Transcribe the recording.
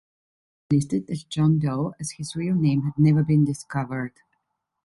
He is listed as "John Doe", as his real name had never been discovered.